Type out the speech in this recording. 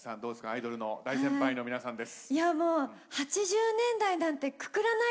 アイドルの大先輩の皆さんです。